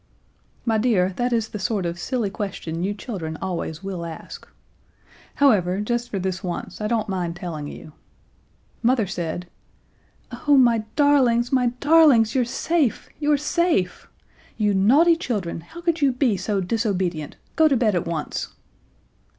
My dear, that is the sort of silly question you children always will ask. However, just for this once I don't mind telling you. Mother said: "Oh, my darlings, my darlings, you're safe you're safe! You naughty children how could you be so disobedient? Go to bed at once!"